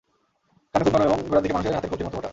কাণ্ড খুব নরম এবং গোড়ার দিকে মানুষের হাতের কবজির মতো মোটা।